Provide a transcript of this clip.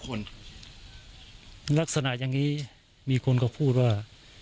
คนลักษณะอย่างนี้มีคนก็พูดว่า